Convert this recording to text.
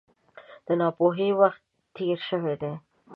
د ناپوهۍ وخت تېر شوی دی.